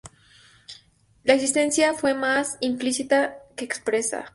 La existencia fue más implícita que expresa.